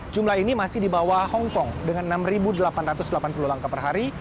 jumlah ini masih di bawah hongkong dengan enam delapan ratus delapan puluh langkah per hari